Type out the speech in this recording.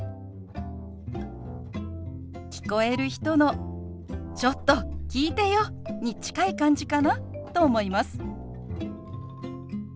聞こえる人の「ちょっと聞いてよ」に近い感じかなと思います。